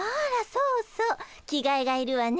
そうそう着替えがいるわね。